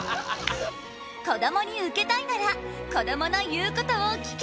こどもにウケたいならこどもの言うことを聞け！